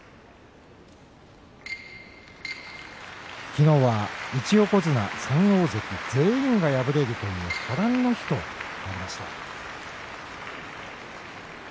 昨日は１横綱３大関全員が、敗れるという波乱の日となりました。